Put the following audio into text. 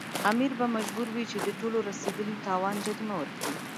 امیر به مجبور وي چې د ټولو رسېدلي تاوان جریمه ورکړي.